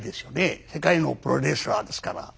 世界のプロレスラーですから。